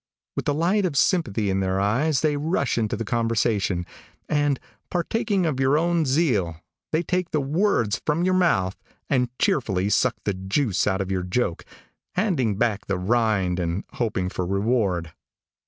With the light of sympathy in their eyes, they rush into the conversation, and, partaking of your own zeal, they take the words from your mouth, and cheerfully suck the juice out of your joke, handing back the rind and hoping for reward.